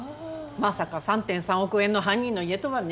まさか３．３億円の犯人の家とはね。